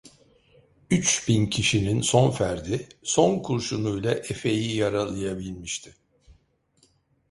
Üç bin kişinin son ferdi, son kurşunuyla efeyi yaralayabilmişti.